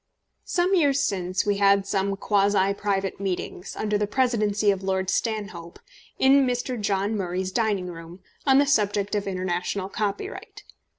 Some years since we had some quasi private meetings, under the presidency of Lord Stanhope, in Mr. John Murray's dining room, on the subject of international copyright.